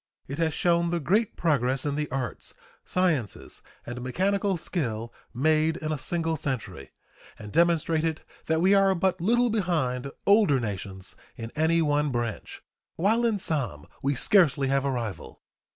It has shown the great progress in the arts, sciences, and mechanical skill made in a single century, and demonstrated that we are but little behind older nations in any one branch, while in some we scarcely have a rival.